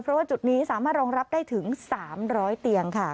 เพราะว่าจุดนี้สามารถรองรับได้ถึง๓๐๐เตียงค่ะ